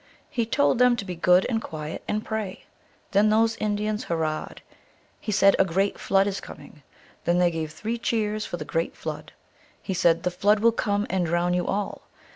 He told them to be good and quiet, and pray. Then those Indians hur rahed. He said, " A great Flood is coming." Then they gave three cheers for the great Flood. He said, " The Flood will come and drown you all."